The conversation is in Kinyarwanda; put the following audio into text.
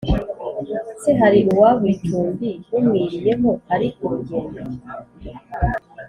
se hari uwabura icumbi bumwiriyeho ari ku rugendo ?